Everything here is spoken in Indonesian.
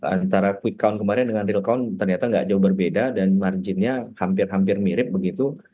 antara quick count kemarin dengan real count ternyata nggak jauh berbeda dan marginnya hampir hampir mirip begitu